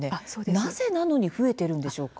なぜ増えているんでしょうか。